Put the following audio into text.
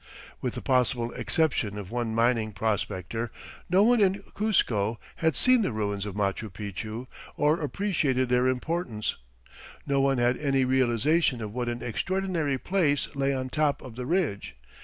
With the possible exception of one mining prospector, no one in Cuzco had seen the ruins of Machu Picchu or appreciated their importance. No one had any realization of what an extraordinary place lay on top of the ridge.